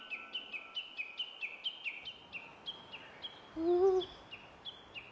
うん。